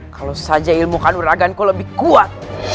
kalau saja ilmu kanur aganku lebih kuat